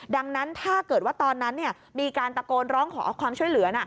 ดังนั้นถ้าเกิดว่าตอนนั้นมีการตะโกนร้องขอความช่วยเหลือ